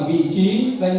là cái đầu vào